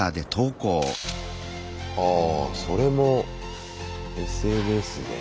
ああそれもＳＮＳで。